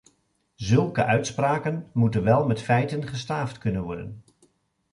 Zulke uitspraken moeten wel met feiten gestaafd kunnen worden.